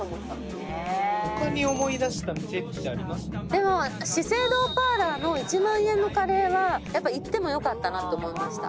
でも資生堂パーラーの１万円のカレーはいってもよかったなって思いました。